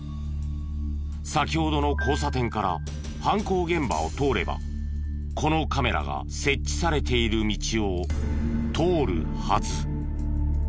先ほどの交差点から犯行現場を通ればこのカメラが設置されている道を通るはず。